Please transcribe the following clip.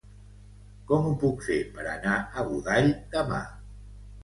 Com ho puc fer per anar a Godall demà?